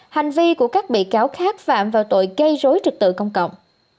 hành vi của các bị cáo khác phạm vào tội gây rối trực tự công cộng